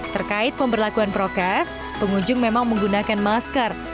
terkait pemberlakuan prokes pengunjung memang menggunakan masker